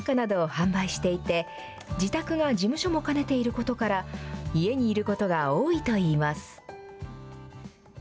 インターネットで生活雑貨などを販売していて、自宅が事務所も兼ねていることから、家にいることが多いといいます。